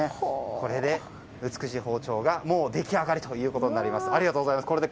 これで美しい包丁がもう出来上がることになります。